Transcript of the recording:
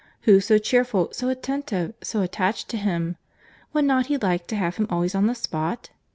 —Who so cheerful, so attentive, so attached to him?—Would not he like to have him always on the spot?